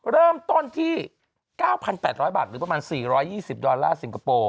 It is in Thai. เริ่มต้นที่๙๘๐๐บาทหรือประมาณ๔๒๐ดอลลาร์สิงคโปร์